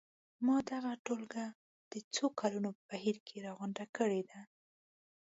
ما دغه ټولګه د څو کلونو په بهیر کې راغونډه کړې ده.